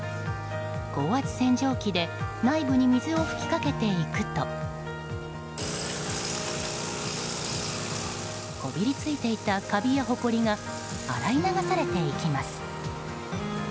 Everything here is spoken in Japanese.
高圧洗浄機で内部に水を吹きかけていくとこびりついていたカビやほこりが洗い流されていきます。